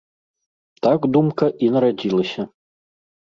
Так думка і нарадзілася.